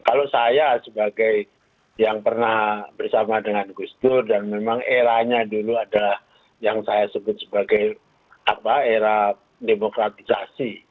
kalau saya sebagai yang pernah bersama dengan gus dur dan memang eranya dulu ada yang saya sebut sebagai era demokratisasi